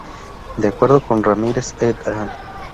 De acuerdo con Ramírez "et al.